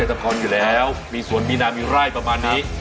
เกษตรกรอยู่แล้วมีสวนมีน้ำมีไร่ประมาณนี้